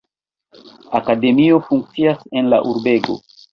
Akademio funkcias en la urbego.